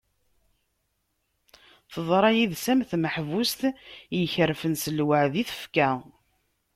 Teḍra yid-s am tmeḥbust ikerfen s lweɛd i tefka.